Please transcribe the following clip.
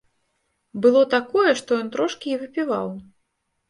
Было такое, што ён трошкі і выпіваў.